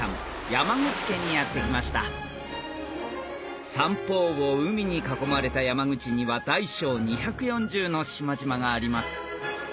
山口県にやって来ました三方を海に囲まれた山口には大小２４０の島々があります